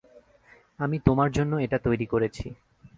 আমি তোমার জন্য এটা তৈরি করেছি।